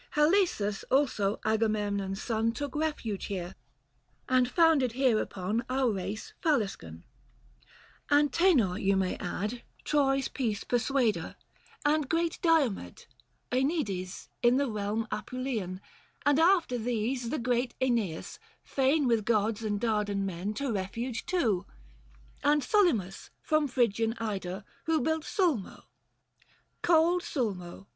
80 Halesus, also, Agamemnon's son, Took refuge here, and founded hereupon Our race Faliscan ; Antenor you may add Troy's peace persuader ; and great Diomed 104 THE FASTI. Book IV. (Enides — in the realm Apulian : 85 And after these, the great iEneas, fain With gods and Dardan men to refuge too. And Solymus from Phrygian Ida — who Built Sulmo —" Cold Sulmo